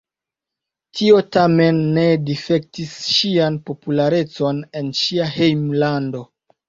Tio tamen ne difektis ŝian popularecon en ŝia hejmlando.